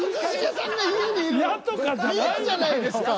嫌じゃないですか。